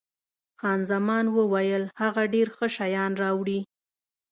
خان زمان وویل، هغه ډېر ښه شیان راوړي.